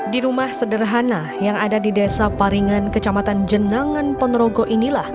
di rumah sederhana yang ada di desa paringan kecamatan jenangan ponorogo inilah